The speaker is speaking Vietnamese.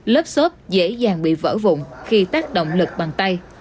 lớp xốp dễ dàng bị vỡ vụn khi tác động lực bằng tay